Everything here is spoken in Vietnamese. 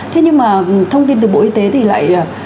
thế nhưng mà thông tin từ bộ y tế thì lại